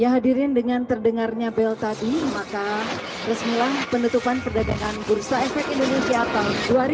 hadirin dengan terdengarnya bel tadi maka resmilah penutupan perdagangan bursa efek indonesia tahun dua ribu dua puluh